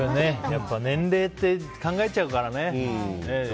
やっぱり年齢って考えちゃうからね。